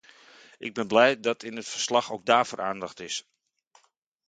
Ik ben blij dat in het verslag ook daarvoor aandacht is.